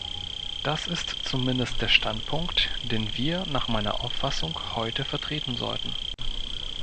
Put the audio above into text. Das ist zumindest der Standpunkt, den wir nach meiner Auffassung heute vertreten sollten.